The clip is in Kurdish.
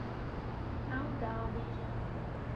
Ew diavêjin.